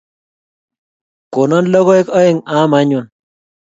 Konon logoek aeng' aam anyun